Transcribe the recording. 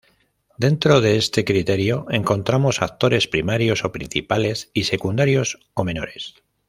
Dentro de este criterio, encontramos actores primarios o principales y secundarios o menores.